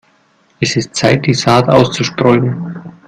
Es ist Zeit, die Saat auszustreuen.